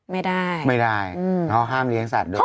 ไม่ได้ไม่ได้เขาห้ามเลี้ยงสัตว์ด้วย